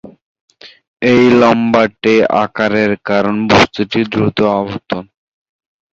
এই লম্বাটে আকারের কারণ বস্তুটির দ্রুত আবর্তন।